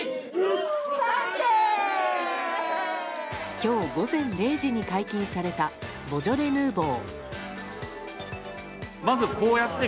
今日午前０時に解禁されたボジョレ・ヌーボー。